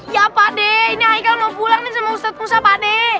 ya pak deh ini aikal mau pulang nih sama ustad musa pak deh